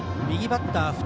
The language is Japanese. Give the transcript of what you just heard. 右バッター